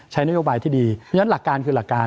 ใช้นโยบายที่ดีเพราะฉะนั้นหลักการคือหลักการ